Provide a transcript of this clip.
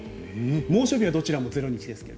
猛暑日はどちらも０日ですが。